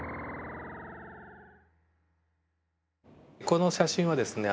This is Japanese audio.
この写真はですね